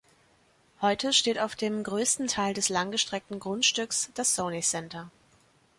Heute steht auf dem größten Teil des langgestreckten Grundstücks das Sony Center.